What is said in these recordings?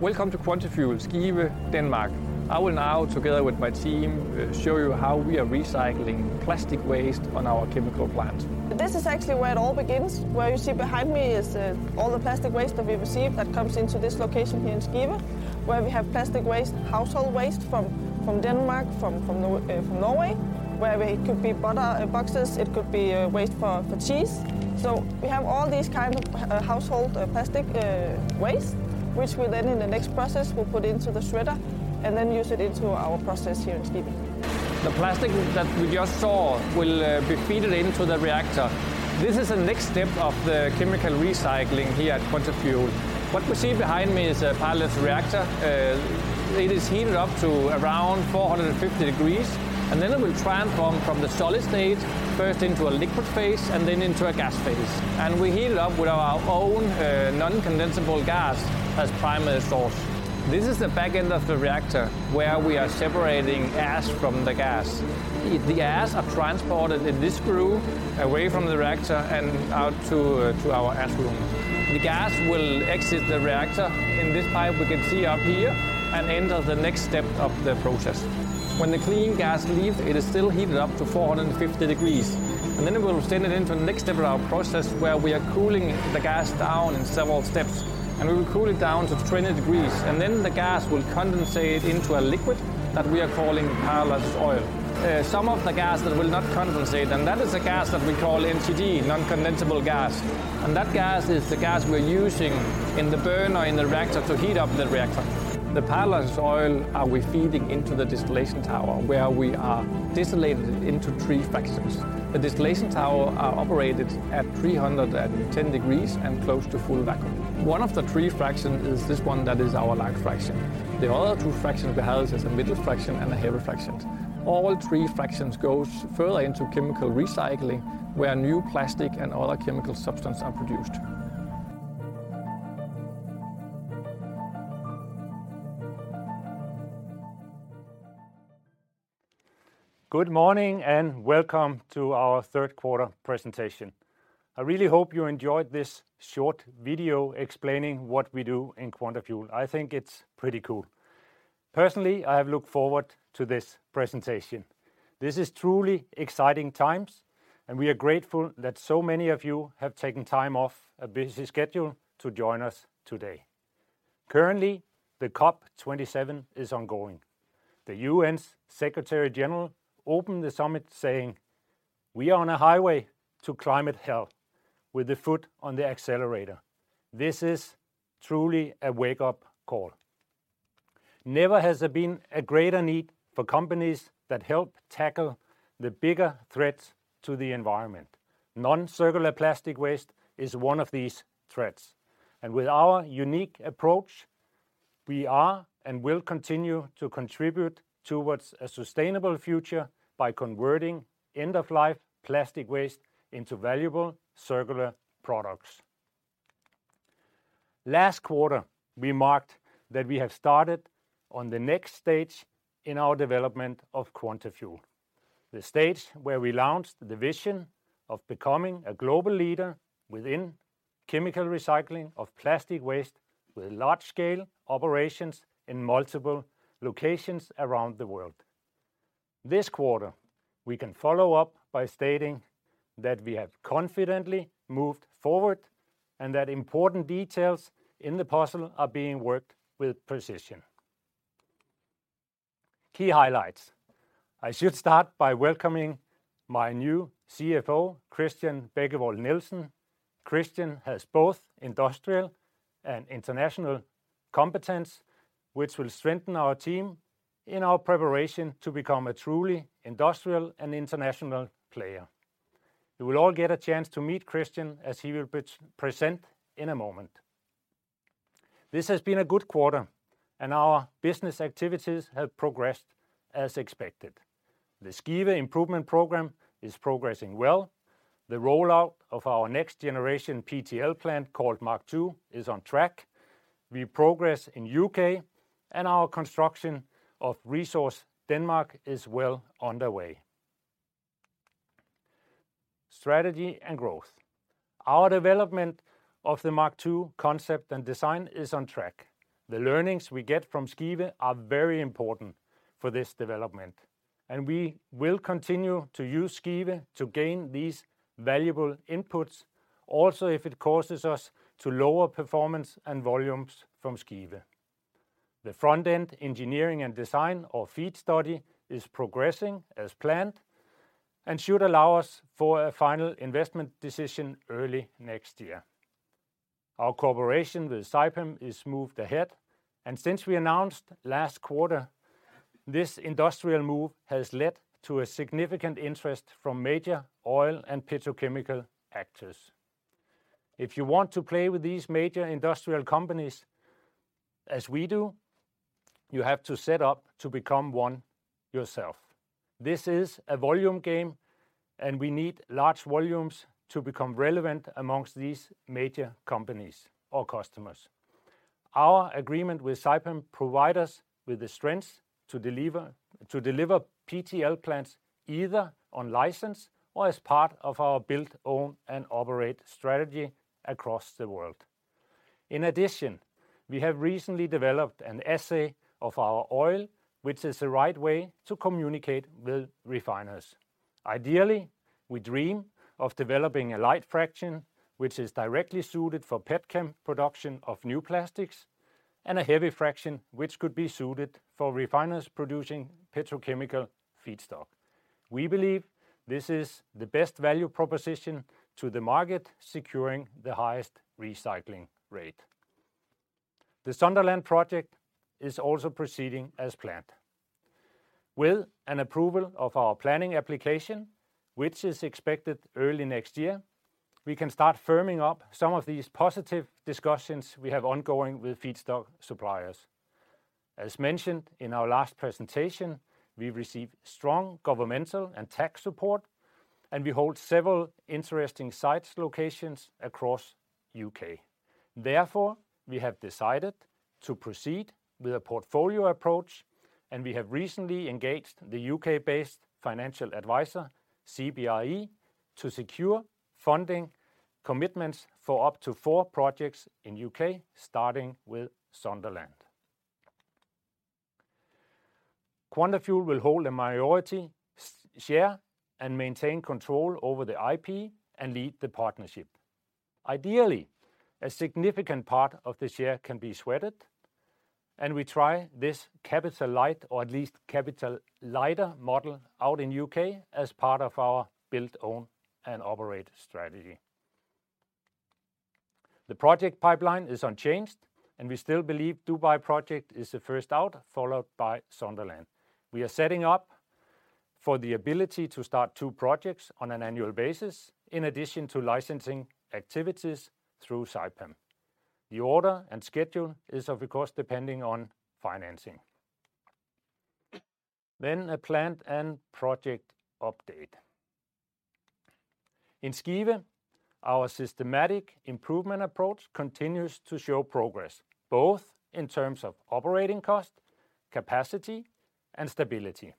Welcome to Quantafuel, Skive, Denmark. I will now, together with my team, show you how we are recycling plastic waste on our chemical plant. This is actually where it all begins. Where you see behind me is all the plastic waste that we receive that comes into this location here in Skive, where we have plastic waste, household waste from Denmark, from Norway, where it could be butter boxes, it could be waste for cheese. We have all these kind of household plastic waste, which we then in the next process, we'll put into the shredder and then use it into our process here in Skive. The plastic that we just saw will be fed into the reactor. This is the next step of the chemical recycling here at Quantafuel. What we see behind me is a Pyrolysis reactor. It is heated up to around 450 degrees, and then it will transform from the solid state first into a liquid phase and then into a gas phase. We heat it up with our own non-condensable gas as primary source. This is the back end of the reactor, where we are separating ash from the gas. The ash are transported in this screw away from the reactor and out to our ash room. The gas will exit the reactor in this pipe we can see up here and enter the next step of the process. When the clean gas leaves, it is still heated up to 450 degrees, and then it will send it into the next step of our process, where we are cooling the gas down in several steps, and we will cool it down to 20 degrees. Then the gas will condense into a liquid that we are calling Pyrolysis oil. Some of the gas that will not condense, and that is a gas that we call NCG, non-condensable gas. That gas is the gas we're using in the burner in the reactor to heat up the reactor. The Pyrolysis oil are we feeding into the distillation tower, where we are distilling into three fractions. The distillation tower are operated at 310 degrees and close to full vacuum. One of the three fraction is this one that is our light fraction. The other two fractions we have is the middle fraction and the heavy fractions. All three fractions goes further into chemical recycling, where new plastic and other chemical substance are produced. Good morning and welcome to our third quarter presentation. I really hope you enjoyed this short video explaining what we do in Quantafuel. I think it's pretty cool. Personally, I have looked forward to this presentation. This is truly exciting times, and we are grateful that so many of you have taken time off a busy schedule to join us today. Currently, the COP27 is ongoing. The UN's Secretary General opened the summit saying, "We are on a highway to climate hell with the foot on the accelerator." This is truly a wake-up call. Never has there been a greater need for companies that help tackle the bigger threats to the environment. Non-circular plastic waste is one of these threats. With our unique approach, we are and will continue to contribute toward a sustainable future by converting end-of-life plastic waste into valuable circular products. Last quarter, we marked that we have started on the next stage in our development of Quantafuel, the stage where we launched the vision of becoming a global leader within chemical recycling of plastic waste with large-scale operations in multiple locations around the world. This quarter, we can follow up by stating that we have confidently moved forward and that important details in the puzzle are being worked with precision. Key highlights. I should start by welcoming my new CFO, Christian Bekkevold Nilsen. Christian has both industrial and international competence, which will strengthen our team in our preparation to become a truly industrial and international player. You will all get a chance to meet Christian as he will pre-present in a moment. This has been a good quarter, and our business activities have progressed as expected. The Skive improvement program is progressing well. The rollout of our next generation PtL plant, called MK II, is on track. We progress in U.K., and our construction of ReSource Denmark is well underway. Strategy and growth. Our development of the MK II concept and design is on track. The learnings we get from Skive are very important for this development, and we will continue to use Skive to gain these valuable inputs, also if it causes us to lower performance and volumes from Skive. The front-end engineering and design, or FEED study, is progressing as planned and should allow us for a final investment decision early next year. Our cooperation with Saipem has moved ahead, and since we announced last quarter, this industrial move has led to a significant interest from major oil and petrochemical actors. If you want to play with these major industrial companies as we do, you have to step up to become one yourself. This is a volume game, and we need large volumes to become relevant amongst these major companies or customers. Our agreement with Saipem provides us with the strengths to deliver PtL plants either on license or as part of our build, own, and operate strategy across the world. In addition, we have recently developed an assay of our oil, which is the right way to communicate with refiners. Ideally, we dream of developing a light fraction, which is directly suited for petchem production of new plastics, and a heavy fraction which could be suited for refiners producing petrochemical feedstock. We believe this is the best value proposition to the market, securing the highest recycling rate. The Sunderland project is also proceeding as planned. With an approval of our planning application, which is expected early next year, we can start firming up some of these positive discussions we have ongoing with feedstock suppliers. As mentioned in our last presentation, we've received strong governmental and tax support, and we hold several interesting site locations across the U.K. Therefore, we have decided to proceed with a portfolio approach, and we have recently engaged the U.K.-based financial advisor, CBRE, to secure funding commitments for up to four projects in the U.K., starting with Sunderland. Quantafuel will hold a minority share and maintain control over the IP and lead the partnership. Ideally, a significant part of the share can be sweated, and we try this capital light or at least capital lighter model out in U.K. as part of our build, own, and operate strategy. The project pipeline is unchanged, and we still believe Dubai project is the first out, followed by Sunderland. We are setting up for the ability to start two projects on an annual basis in addition to licensing activities through Saipem. The order and schedule is, of course, depending on financing. A plant and project update. In Skive, our systematic improvement approach continues to show progress, both in terms of operating cost, capacity, and stability.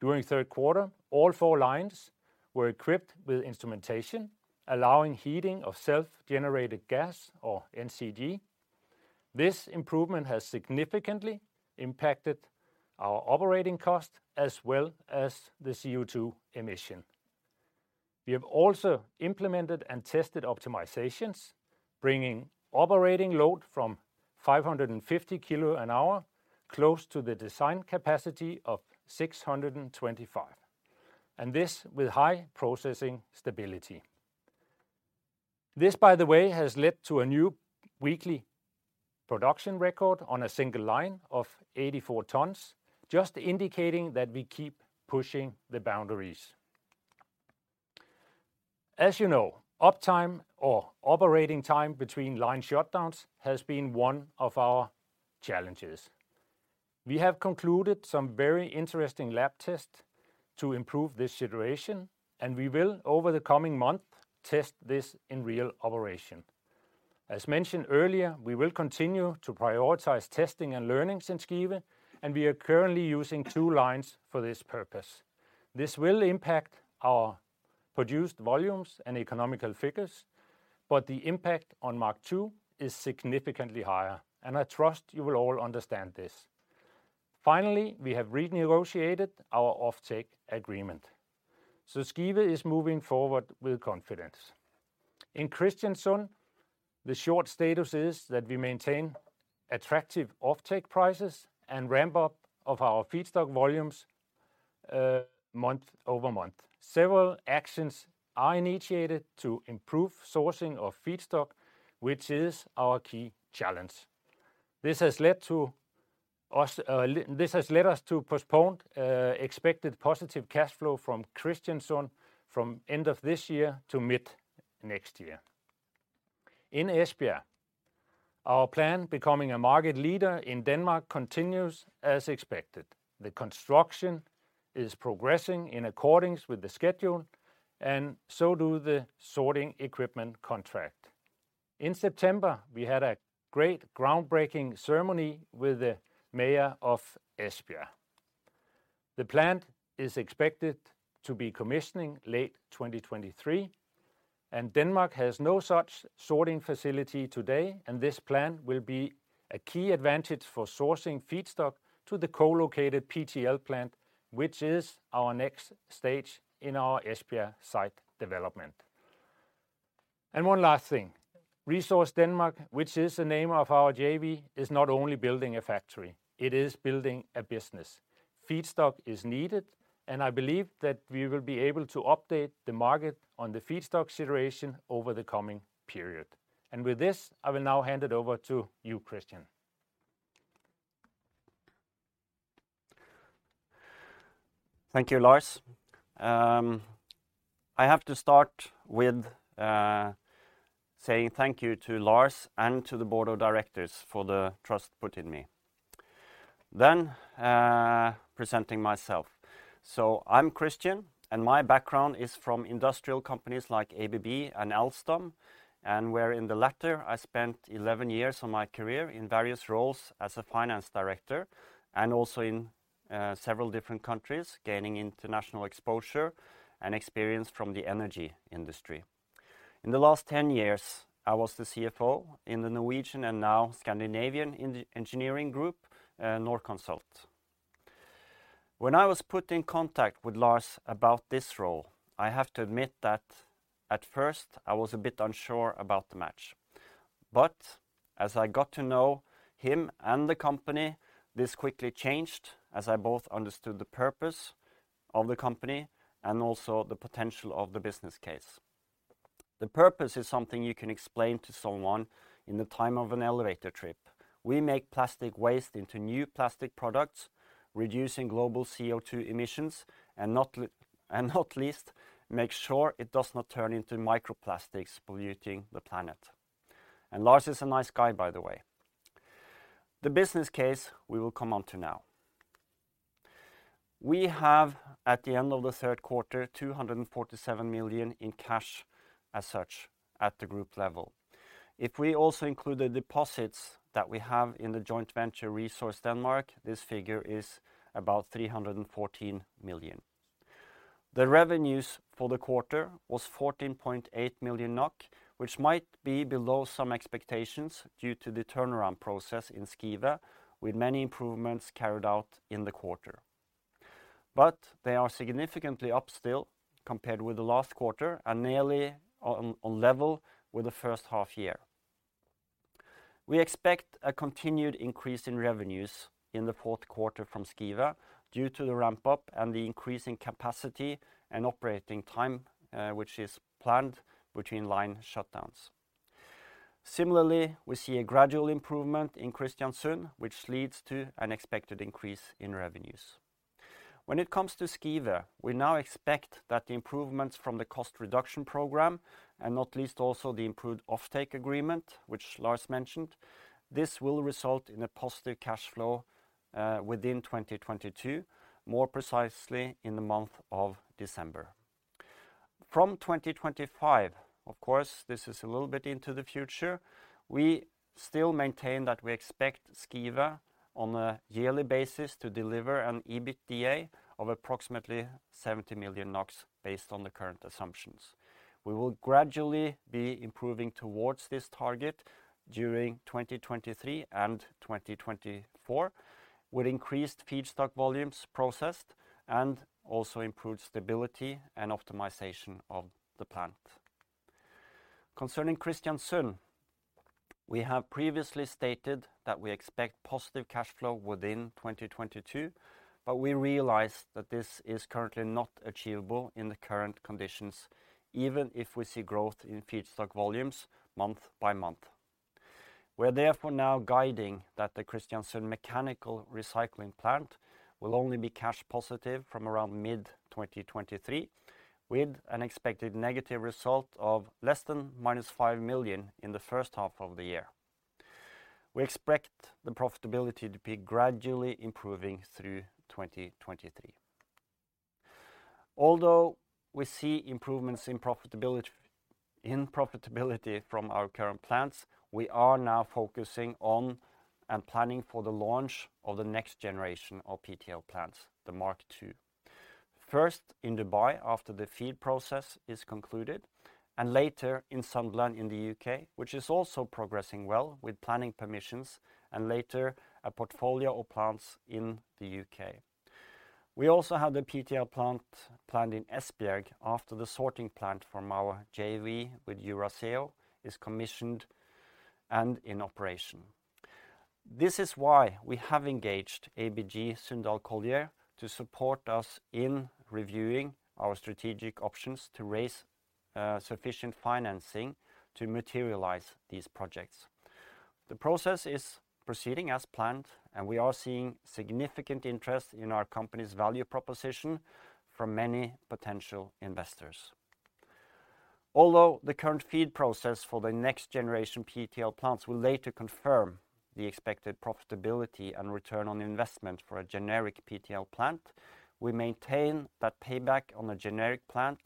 During third quarter, all four lines were equipped with instrumentation, allowing heating of self-generated gas or NCG. This improvement has significantly impacted our operating cost as well as the CO2 emission. We have also implemented and tested optimizations, bringing operating load from 550 kg/h close to the design capacity of 625 kg/h, and this with high processing stability. This, by the way, has led to a new weekly production record on a single line of 84 tons, just indicating that we keep pushing the boundaries. As you know, uptime or operating time between line shutdowns has been one of our challenges. We have concluded some very interesting lab tests to improve this situation, and we will over the coming month test this in real operation. As mentioned earlier, we will continue to prioritize testing and learnings in Skive, and we are currently using two lines for this purpose. This will impact our produced volumes and economic figures, but the impact on MK II is significantly higher, and I trust you will all understand this. Finally, we have renegotiated our offtake agreement. Skive is moving forward with confidence. In Christiansø, the short status is that we maintain attractive offtake prices and ramp up of our feedstock volumes, month-over-month. Several actions are initiated to improve sourcing of feedstock, which is our key challenge. This has led us to postpone expected positive cash flow from Christiansø from end of this year to mid next year. In Esbjerg, our plan becoming a market leader in Denmark continues as expected. The construction is progressing in accordance with the schedule, and so do the sorting equipment contract. In September, we had a great groundbreaking ceremony with the mayor of Esbjerg. The plant is expected to be commissioning late 2023, and Denmark has no such sorting facility today, and this plant will be a key advantage for sourcing feedstock to the co-located PtL plant, which is our next stage in our Esbjerg site development. One last thing, ReSource Denmark, which is the name of our JV, is not only building a factory, it is building a business. Feedstock is needed, and I believe that we will be able to update the market on the feedstock situation over the coming period. With this, I will now hand it over to you, Christian. Thank you, Lars. I have to start with saying thank you to Lars and to the board of directors for the trust put in me. Presenting myself. I'm Christian, and my background is from industrial companies like ABB and Alstom, and where in the latter I spent 11 years of my career in various roles as a finance director and also in several different countries, gaining international exposure and experience from the energy industry. In the last 10 years, I was the CFO in the Norwegian, and now Scandinavian engineering group, Norconsult. When I was put in contact with Lars about this role, I have to admit that at first, I was a bit unsure about the match. As I got to know him and the company, this quickly changed as I both understood the purpose of the company and also the potential of the business case. The purpose is something you can explain to someone in the time of an elevator trip. We make plastic waste into new plastic products, reducing global CO2 emissions, and not least, make sure it does not turn into microplastics polluting the planet. Lars is a nice guy, by the way. The business case we will come on to now. We have, at the end of the third quarter, 247 million in cash as such at the group level. If we also include the deposits that we have in the joint venture ReSource Denmark, this figure is about 314 million. The revenues for the quarter was 14.8 million NOK, which might be below some expectations due to the turnaround process in Skive, with many improvements carried out in the quarter. They are significantly up still compared with the last quarter and nearly on level with the first half year. We expect a continued increase in revenues in the fourth quarter from Skive due to the ramp up and the increase in capacity and operating time, which is planned between line shutdowns. Similarly, we see a gradual improvement in Kristiansund, which leads to an expected increase in revenues. When it comes to Skive, we now expect that the improvements from the cost reduction program, and not least also the improved offtake agreement, which Lars mentioned, this will result in a positive cash flow, within 2022, more precisely in the month of December. From 2025, of course, this is a little bit into the future, we still maintain that we expect Skive on a yearly basis to deliver an EBITDA of approximately 70 million NOK based on the current assumptions. We will gradually be improving towards this target during 2023 and 2024, with increased feedstock volumes processed and also improved stability and optimization of the plant. Concerning Kristiansund, we have previously stated that we expect positive cash flow within 2022, but we realize that this is currently not achievable in the current conditions, even if we see growth in feedstock volumes month by month. We're therefore now guiding that the Kristiansund mechanical recycling plant will only be cash positive from around mid-2023, with an expected negative result of less than -5 million in the first half of the year. We expect the profitability to be gradually improving through 2023. Although we see improvements in profitability from our current plants, we are now focusing on and planning for the launch of the next generation of PtL plants, the Mark II. First in Dubai, after the FEED process is concluded, and later in Sunderland in the U.K., which is also progressing well with planning permissions, and later a portfolio of plants in the U.K.. We also have the PtL plant planned in Esbjerg after the sorting plant from our JV with Eurazeo is commissioned and in operation. This is why we have engaged ABG Sundal Collier to support us in reviewing our strategic options to raise sufficient financing to materialize these projects. The process is proceeding as planned, and we are seeing significant interest in our company's value proposition from many potential investors. Although the current FEED process for the next generation PtL plants will later confirm the expected profitability and return on investment for a generic PtL plant, we maintain that payback on a generic plant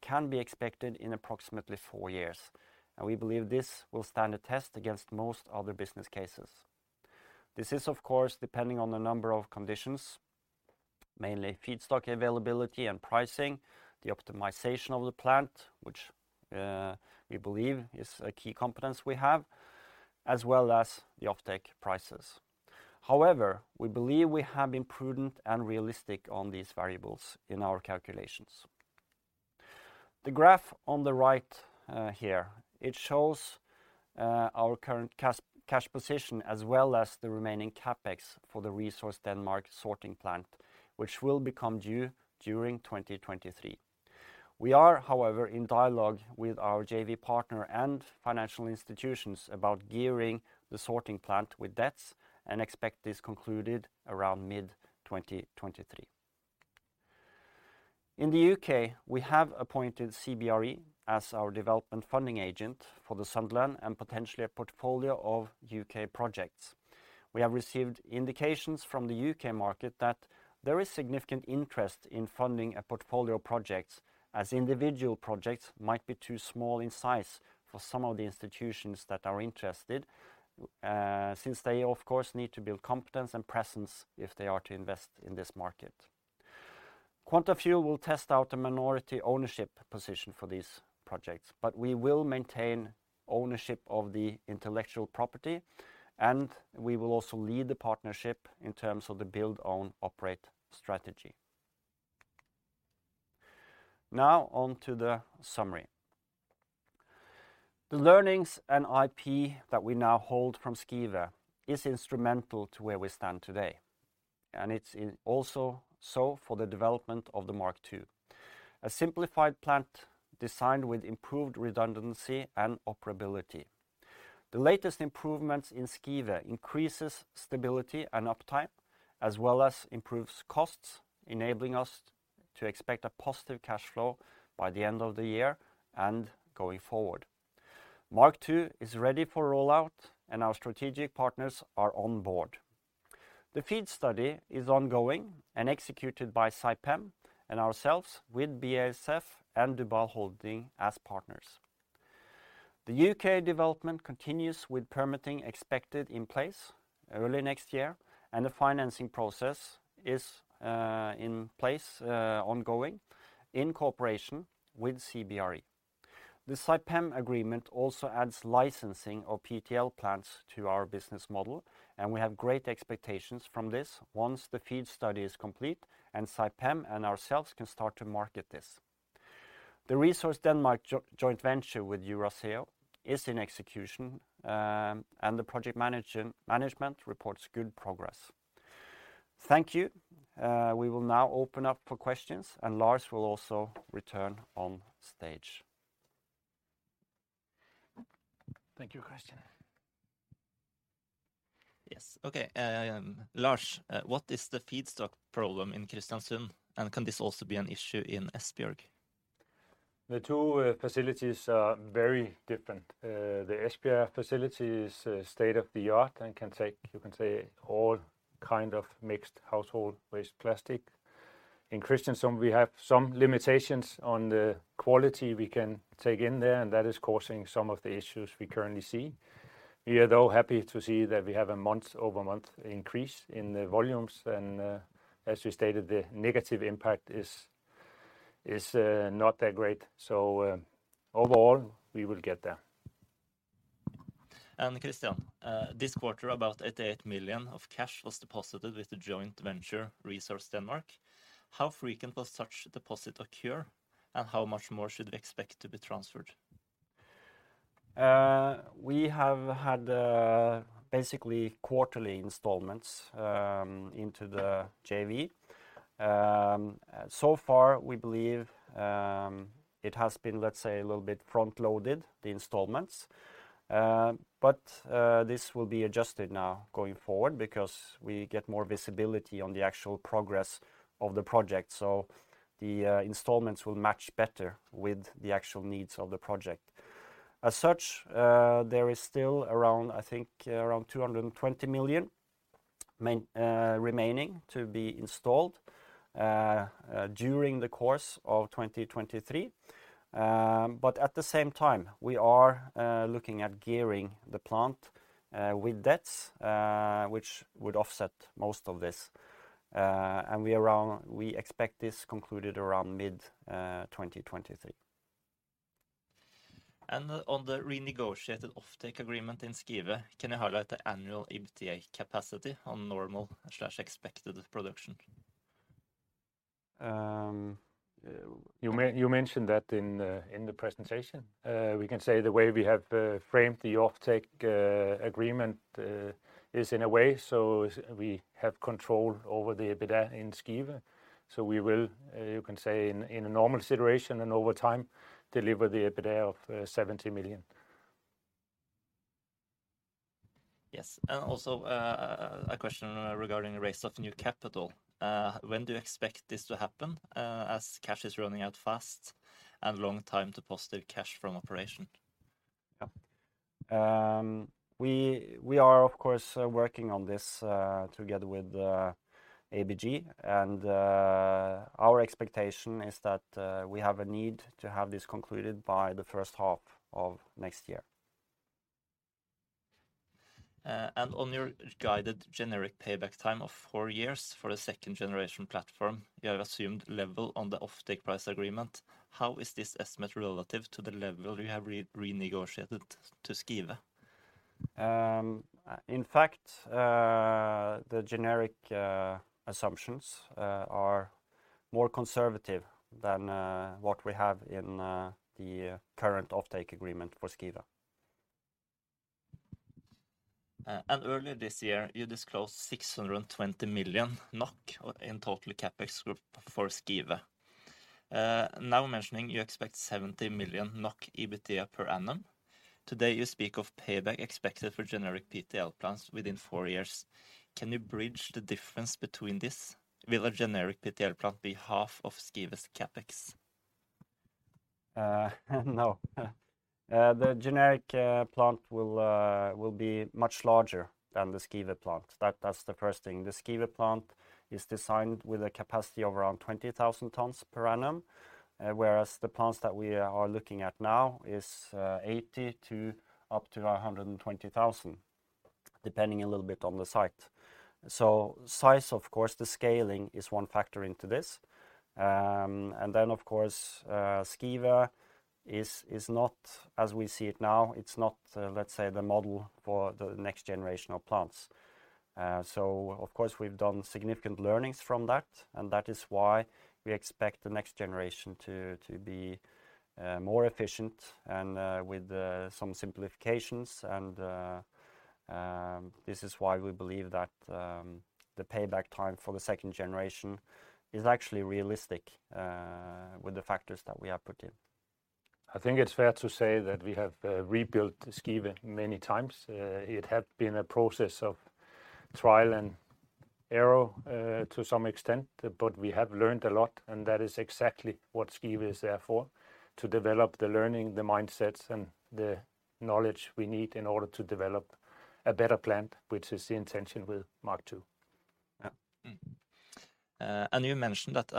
can be expected in approximately four years, and we believe this will stand a test against most other business cases. This is of course, depending on the number of conditions, mainly feedstock availability and pricing, the optimization of the plant, which, we believe is a key competence we have, as well as the offtake prices. However, we believe we have been prudent and realistic on these variables in our calculations. The graph on the right, here, it shows, our current cash position, as well as the remaining CapEx for the ReSource Denmark sorting plant, which will become due during 2023. We are, however, in dialogue with our JV partner and financial institutions about gearing the sorting plant with debts and expect this concluded around mid-2023. In the U.K., we have appointed CBRE as our development funding agent for the Sunderland and potentially a portfolio of U.K. projects. We have received indications from the U.K. market that there is significant interest in funding a portfolio of projects as individual projects might be too small in size for some of the institutions that are interested, since they of course need to build competence and presence if they are to invest in this market. Quantafuel will test out a minority ownership position for these projects, but we will maintain ownership of the intellectual property, and we will also lead the partnership in terms of the build-own-operate strategy. Now on to the summary. The learnings and IP that we now hold from Skive is instrumental to where we stand today, and it's also so for the development of the Mark II. A simplified plant designed with improved redundancy and operability. The latest improvements in Skive increases stability and uptime, as well as improves costs, enabling us to expect a positive cash flow by the end of the year and going forward. Mark II is ready for rollout, and our strategic partners are on board. The FEED study is ongoing and executed by Saipem and ourselves with BASF and DUBAL Holding as partners. The U.K. development continues with permitting expected in place early next year, and the financing process is in place, ongoing in cooperation with CBRE. The Saipem agreement also adds licensing of PtL plants to our business model, and we have great expectations from this once the FEED study is complete and Saipem and ourselves can start to market this. The ReSource Denmark joint venture with Eurazeo is in execution, and the project management reports good progress. Thank you. We will now open up for questions, and Lars will also return on stage. Thank you, Christian. Yes. Okay. Lars, what is the feedstock problem in Kristiansund, and can this also be an issue in Esbjerg? The two facilities are very different. The Esbjerg facility is state-of-the-art and can take, you can say, all kind of mixed household waste plastic. In Kristiansund, we have some limitations on the quality we can take in there, and that is causing some of the issues we currently see. We are, though, happy to see that we have a month-over-month increase in the volumes and, as you stated, the negative impact is not that great. Overall, we will get there. Christian, this quarter, about 88 million of cash was deposited with the joint venture ReSource Denmark. How frequent will such deposit occur, and how much more should we expect to be transferred? We have had basically quarterly installments into the JV. So far, we believe it has been, let's say, a little bit front-loaded, the installments. This will be adjusted now going forward because we get more visibility on the actual progress of the project. The installments will match better with the actual needs of the project. As such, there is still around, I think, around 220 million remaining to be installed during the course of 2023. At the same time, we are looking at gearing the plant with debt, which would offset most of this. We expect this concluded around mid-2023. On the renegotiated offtake agreement in Skive, can you highlight the annual EBITDA capacity on normal/expected production? You mentioned that in the presentation. We can say the way we have framed the offtake agreement is in a way so we have control over the EBITDA in Skive. We will, you can say in a normal situation and over time, deliver the EBITDA of 70 million. Yes. Also, a question regarding the raise of new capital. When do you expect this to happen, as cash is running out fast and long time to positive cash from operation? Yeah. We are, of course, working on this together with ABG, and our expectation is that we have a need to have this concluded by the first half of next year. On your guided generic payback time of four years for a second-generation platform, you have assumed level on the offtake price agreement. How is this estimate relative to the level you have renegotiated to Skive? In fact, the generic assumptions are more conservative than what we have in the current offtake agreement for Skive. Earlier this year, you disclosed 620 million NOK in total CapEx for Skive. Now mentioning you expect 70 million NOK EBITDA per annum. Today, you speak of payback expected for generic PtL plants within four years. Can you bridge the difference between this? Will a generic PtL plant be half of Skive's CapEx? No. The generic plant will be much larger than the Skive plant. That's the first thing. The Skive plant is designed with a capacity of around 20,000 tons per annum, whereas the plants that we are looking at now is eighty to up to a hundred and twenty thousand. Depending a little bit on the site. Size, of course, the scaling is one factor into this. Skive is not as we see it now, it's not, let's say the model for the next generation of plants. We've done significant learnings from that, and that is why we expect the next generation to be more efficient and with some simplifications. This is why we believe that the payback time for the second generation is actually realistic with the factors that we have put in. I think it's fair to say that we have rebuilt Skive many times. It had been a process of trial and error, to some extent, but we have learned a lot, and that is exactly what Skive is there for, to develop the learning, the mindsets, and the knowledge we need in order to develop a better plant, which is the intention with Mark Two. Yeah. You mentioned that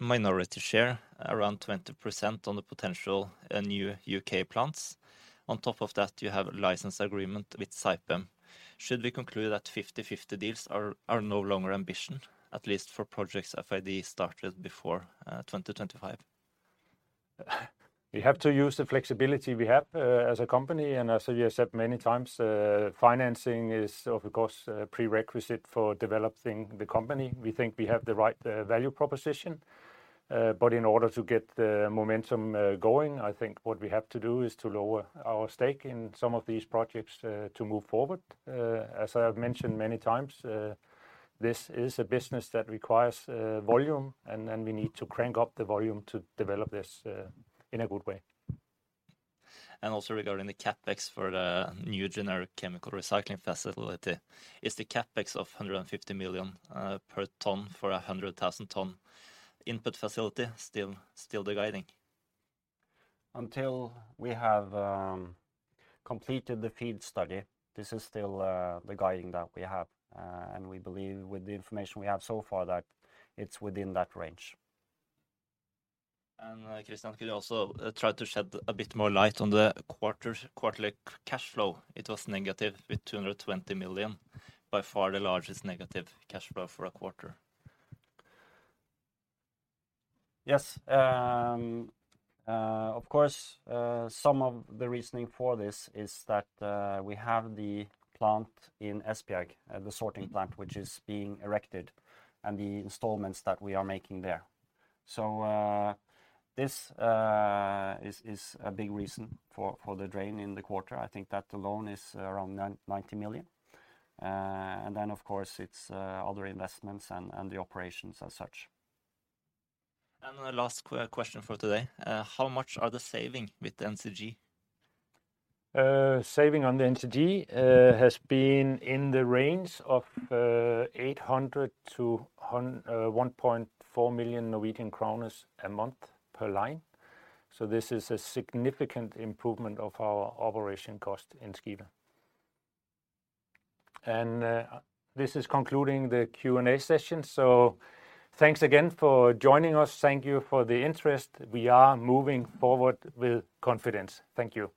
minority share around 20% on the potential new U.K. plants. On top of that, you have a license agreement with Saipem. Should we conclude that 50-50 deals are no longer ambition, at least for projects FID started before 2025? We have to use the flexibility we have, as a company, and as you have said many times, financing is of course a prerequisite for developing the company. We think we have the right value proposition, but in order to get the momentum going, I think what we have to do is to lower our stake in some of these projects, to move forward. As I have mentioned many times, this is a business that requires volume, and then we need to crank up the volume to develop this, in a good way. Also regarding the CapEx for the new generic chemical recycling facility, is the CapEx of 150 million per ton for a 100,000 ton input facility still the guiding? Until we have completed the FEED study, this is still the guiding that we have. We believe with the information we have so far that it's within that range. Christian, could you also try to shed a bit more light on the quarterly cash flow? It was negative with 220 million, by far the largest negative cash flow for a quarter. Yes. Of course, some of the reasoning for this is that we have the plant in Esbjerg, the sorting plant, which is being erected, and the installments that we are making there. This is a big reason for the drain in the quarter. I think that alone is around 90 million. Then of course, it's other investments and the operations as such. The last question for today. How much are the savings with the NCG? Saving on the NCG has been in the range of 800-1.4 million Norwegian kroner a month per line. This is a significant improvement of our operating cost in Skive. This is concluding the Q&A session. Thanks again for joining us. Thank you for the interest. We are moving forward with confidence. Thank you.